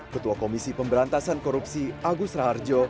ketua komisi pemberantasan korupsi agus raharjo